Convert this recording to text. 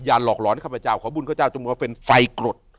อย่างหลอกหลอนข้าพเจ้าของบุญแบบมันสร้างฟัยกรด